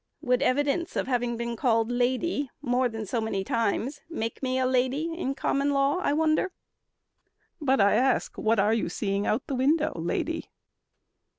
Would evidence of having been called lady More than so many times make me a lady In common law, I wonder." "But I ask, What are you seeing out the window, lady?"